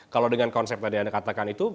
kalau dengan konsep tadi anda katakan itu